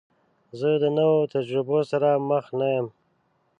زه د نوو تجربو سره مخ نه یم.